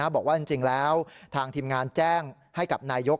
บอกว่าจริงแล้วทางทีมงานแจ้งให้กับนายก